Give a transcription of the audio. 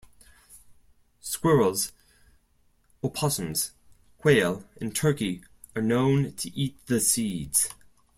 Squirrels, opossums, quail, and turkey are known to eat the seeds.